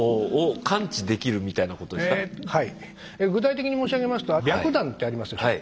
具体的に申し上げますと白檀ってありますでしょ。